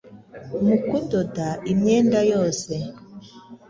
mu kudoda imyenda yose